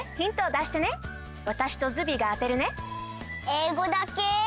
えいごだけ？